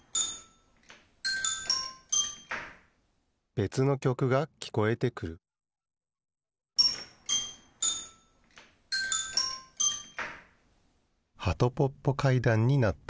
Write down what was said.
べつのきょくがきこえてくるはとぽっぽ階段になった。